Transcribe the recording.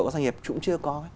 của các doanh nghiệp cũng chưa có